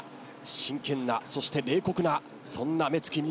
真剣なそして冷酷なそんな目つきにも見えました。